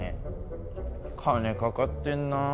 金かかってんな。